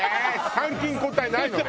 参勤交代ないのね？